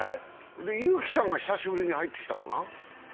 有希さんが久しぶりに入ってきたかな。